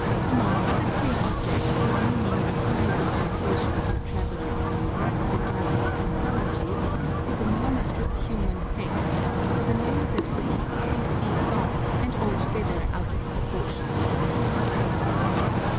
Among other queer objects whose meaning defies the penetration of the traveller unversed in Japanese mythology is a monstrous human face, with a nose at least three feet long, and altogether out of proportion.